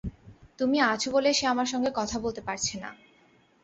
তুমি আছ বলে সে আমার সঙ্গে কথা বলতে পারছে না।